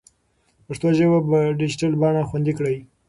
پښتو ژبه په ډیجیټل بڼه خوندي کړئ.